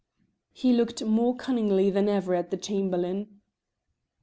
He looked more cunningly than ever at the Chamberlain.